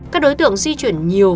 các đối tượng di chuyển nhiều